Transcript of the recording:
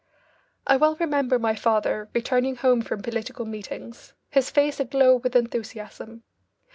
I well remember my father returning home from political meetings, his face aglow with enthusiasm.